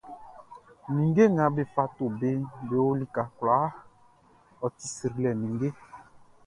Ninnge nga be fa to beʼn be o lika kwlaa, ɔ ti srilɛ like!